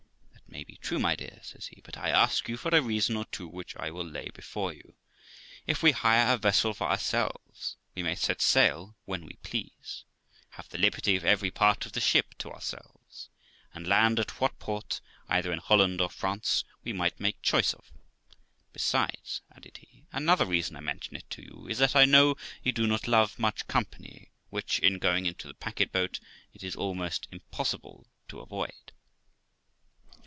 'That may be true, my dear', says he, 'but I ask you for a reason or two, which I will lay before you, viz. if we hire a vessel for ourselves, we may set sail when we please, have the liberty of every part of the ship to ourselves, and land at what port, either in Holland or France, we might make choice of. Besides', added he, ' another reason I mention it to you is, that I know you do not love much company, which, in going into the packet boat, it is almost impossible to avoid.'